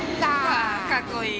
わあかっこいい。